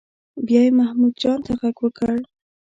بیا یې محمود جان ته غږ وکړ.